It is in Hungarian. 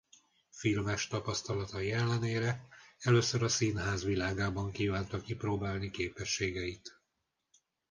Filmes tapasztalatai ellenére először a színház világában kívánta kipróbálni képességeit.